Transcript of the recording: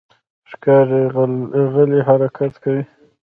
ښکاري غلی حرکت کوي.